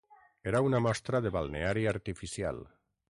Era una mostra de balneari artificial.